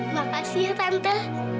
makasih ya tante